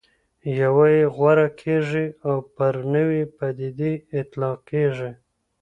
یوه یې غوره کېږي او پر نوې پدیدې اطلاق کېږي.